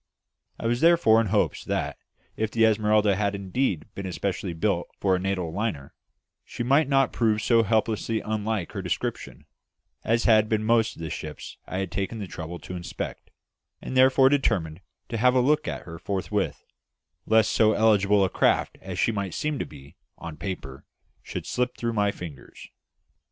I was therefore in hopes that, if the Esmeralda had indeed been especially built for a Natal liner, she might not prove so hopelessly unlike her description as had been most of the ships I had taken the trouble to inspect; and I therefore determined to have a look at her forthwith, lest so eligible a craft as she seemed to be on paper should slip through my fingers.